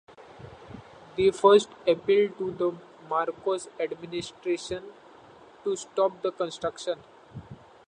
They first appealed to the Marcos administration to stop the construction.